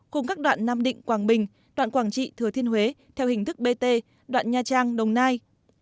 cùng các đoạn nam định quảng bình đoạn quảng trị thừa thiên huế theo hình thức bt đoạn nha trang đồng nai